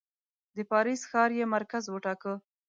د پاریس ښار یې مرکز وټاکه.